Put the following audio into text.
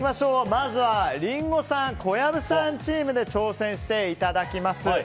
まずはリンゴさん、小藪さんチームで挑戦していただきます。